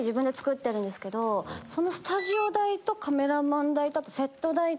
そのスタジオ代とカメラマン代とセット代と。